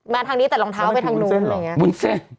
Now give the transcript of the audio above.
มาทางนี้แต่รองเท้าไปทางนู้น